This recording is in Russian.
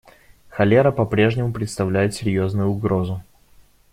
Холера по-прежнему представляет серьезную угрозу.